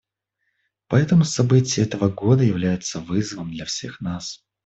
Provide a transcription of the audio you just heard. Поэтому события этого года являются вызовом для всех нас.